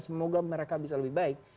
semoga mereka bisa lebih baik